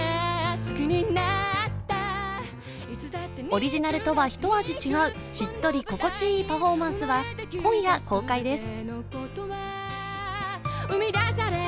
オリジナルとは一味違うしっとり心地いいパフォーマンスは、今夜公開です。